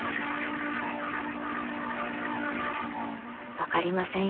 わかりませんよ